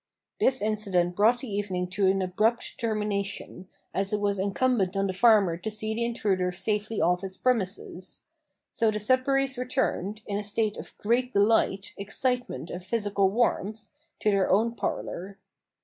This incident brought the evening to an abrupt termination, as it was incumbent on the farmer to see the intruders safely off his premises. So the Sudberrys returned, in a state of great delight, excitement, and physical warmth, to their own parlour.